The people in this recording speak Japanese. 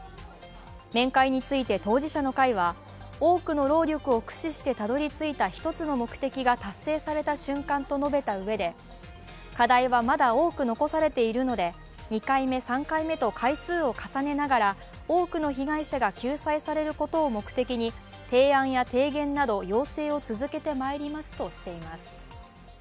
面会について、当事者の会は多くの労力を駆使してたどり着いた一つの目的が達成された瞬間と述べたうえで課題はまだ多く残されているので２回目、３回目と回数を重ねながら多くの被害者が救済されることを目的に、提案や提言など要請を続けてまいりますとしています。